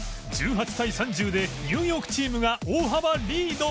１８対３０でニューヨークチームが大幅リード